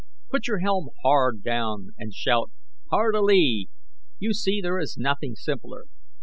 Put your helm hard down and shout 'Hard a lee!' You see, there is nothing simpler.